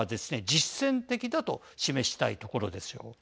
実戦的だと示したいところでしょう。